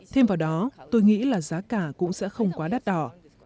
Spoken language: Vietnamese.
thêm vào đó tôi nghĩ là giá cả cũng sẽ không quá đắt đỏ